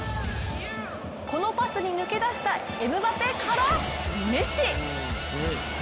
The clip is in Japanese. このパスに抜け出したエムバペからメッシ！